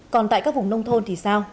còn tại các vùng nông thôn thì sao